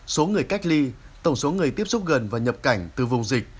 số người cách ly tổng số người tiếp xúc gần và nhập cảnh từ vùng dịch